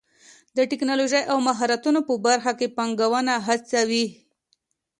د ټکنالوژۍ او مهارتونو په برخه کې پانګونه هڅوي.